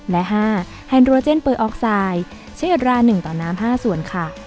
และ๕แฮนโรเจนเปอร์ออกไซด์ใช้อัตรา๑ต่อน้ำ๕ส่วนค่ะ